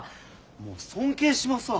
もう尊敬しますわ。